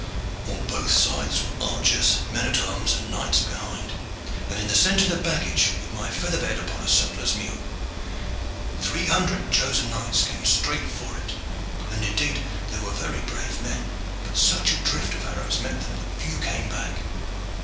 On both sides were archers, men at arms and knights behind, and in the centre the baggage, with my feather bed upon a sutler's mule. Three hundred chosen knights came straight for it, and, indeed, they were very brave men, but such a drift of arrows met them that few came back.